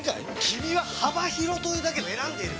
君は幅広というだけで選んでいる！